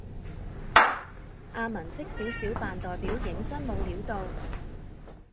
阿文識少少扮代表認真冇料到